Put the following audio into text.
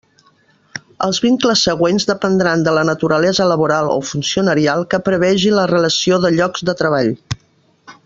Els vincles següents dependran de la naturalesa laboral o funcionarial que prevegi la relació de llocs de treball.